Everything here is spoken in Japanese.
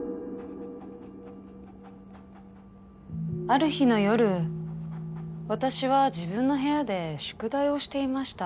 ある日の夜私は自分の部屋で宿題をしていました。